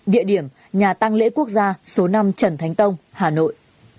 địa điểm nhà tăng lễ quốc gia số năm trần thánh tông hà nội